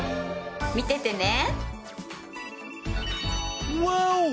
見ててね。